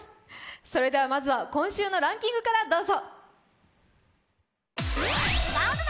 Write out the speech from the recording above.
それではまずは今週のランキングからどうぞ。